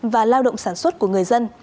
và lao động sản xuất của người dân